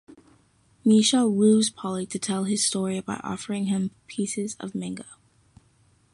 Misha woos Paulie to tell his story by offering him pieces of mango.